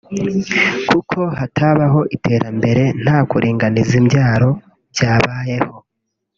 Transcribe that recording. kuko hatabaho iterambere nta kuringaniza imbyaro byabayeho